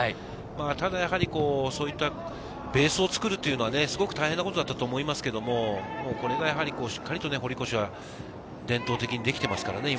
ただベースを作るというのはすごく大変なことだったと思いますけど、しっかり堀越は伝統的にできていますからね。